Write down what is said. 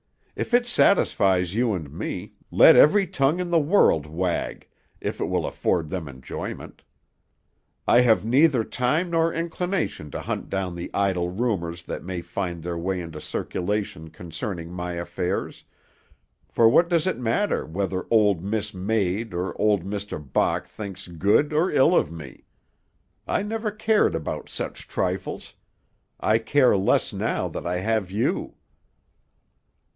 If it satisfies you and me, let every tongue in the world wag, if it will afford them enjoyment. I have neither time nor inclination to hunt down the idle rumors that may find their way into circulation concerning my affairs, for what does it matter whether old Miss Maid or old Mr. Bach thinks good or ill of me? I never cared about such trifles; I care less now that I have you."